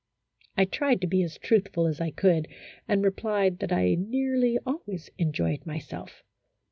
I tried to be as truthful as I could, and replied that I nearly always enjoyed myself.